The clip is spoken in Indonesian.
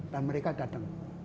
dan mereka datang